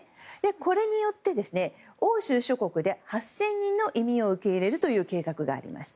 これによって、欧州諸国で８０００人の移民を受け入れるという計画がありました。